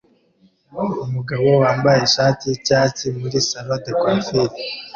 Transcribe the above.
Umugabo wambaye ishati yicyatsi muri salon de coiffure